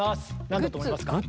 何だと思いますか？